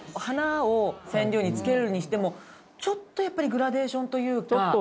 花を染料に漬けるにしてもちょっとやっぱりグラデーションというか。